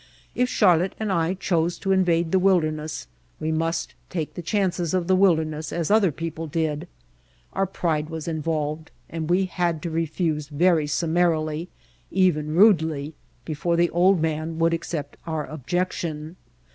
If Charlotte and I chose to invade the wilderness we must take the chances of the wilderness as other people did. Our pride was involved, but we had to refuse very summarily, even rudely, before the old man would accept our objection.